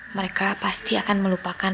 mereka pasti akan melupakan